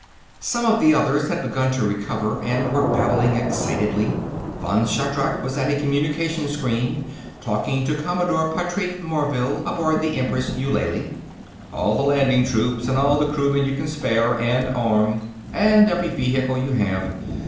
Some of the others had begun to recover and were babbling excitedly. Vann Shatrak was at a communication screen, talking to Commodore Patrique Morvill, aboard the Empress Eulalie: "All the Landing Troops, and all the crewmen you can spare and arm. And every vehicle you have.